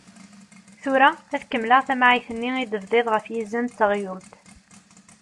Tura ad kemmleɣ tamɛayt-nni i d-tebdiḍ ɣef yizem d teɣyult.